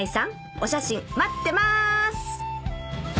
お写真待ってます！